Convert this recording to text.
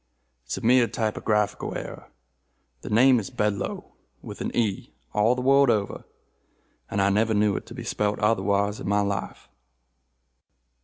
"It is a mere typographical error. The name is Bedlo with an e, all the world over, and I never knew it to be spelt otherwise in my life."